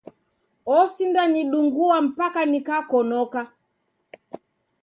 Osindanidungua mpaka nikakonoka.